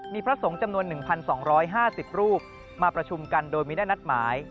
มีพระสงฆ์จำนวน๑๒๕๐รูปมาประชุมกันโดยไม่ได้นัดหมาย